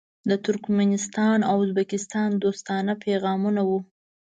د ترکمنستان او ازبکستان دوستانه پیغامونه وو.